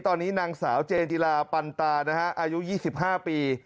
ตอนนี้นางสาวเจนติลาปันตานะฮะอายุ๒๕ปี